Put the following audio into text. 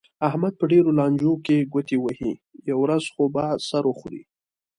احمد په ډېرو لانجو کې ګوتې وهي، یوه ورځ خو به سر وخوري.